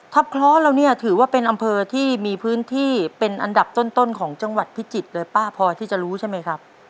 เคราะห์แล้วเนี่ยถือว่าเป็นอำเภอที่มีพื้นที่เป็นอันดับต้นของจังหวัดพิจิตรเลยป้าพอที่จะรู้ใช่ไหมครับ